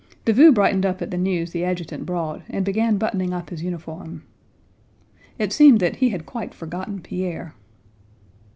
Davout brightened up at the news the adjutant brought, and began buttoning up his uniform. It seemed that he had quite forgotten Pierre.